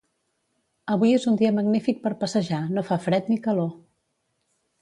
Avui és un dia magnífic per passejar, no fa fred ni calor.